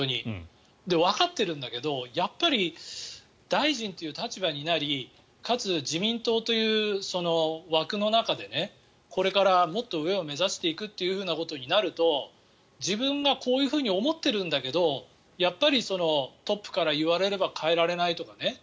わかっているんだけどやっぱり大臣という立場になりかつ、自民党という枠の中でこれからもっと上を目指していくということになると自分がこういうふうに思ってるんだけどやっぱりトップから言われれば変えられないとかね。